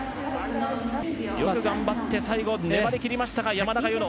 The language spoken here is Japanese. よく頑張って最後粘り切りました、山中柚乃。